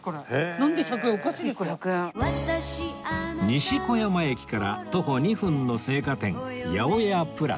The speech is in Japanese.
西小山駅から徒歩２分の青果店 ８０８＋